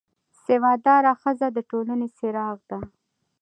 سواد داره ښځه د ټولنې څراغ ده